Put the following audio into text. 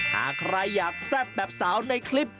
หากใครอยากแซ่บแบบสาวในคลิป